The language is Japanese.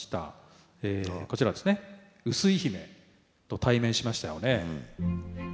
碓井姫と対面しましたよね？